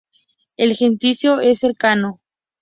El gentilicio es "secano".